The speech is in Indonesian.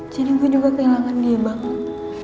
jadi gue juga kehilangan dia banget